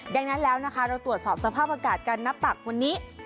ดังนั้นแล้วนะคะเราตรวจสอบสภาพอากาศกันนับปากวันนี้